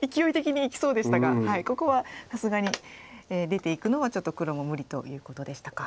いきおい的にいきそうでしたがここはさすがに出ていくのはちょっと黒も無理ということでしたか。